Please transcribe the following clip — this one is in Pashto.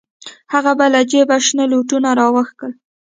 هغه به له جيبه شنه لوټونه راوکښل.